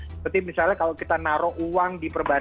seperti misalnya kalau kita naruh uang di perbankan